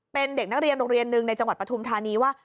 เป็นเด็กนักเรียนโรงเรียนหนึ่งในจังหวัดปฐุมธานีว่า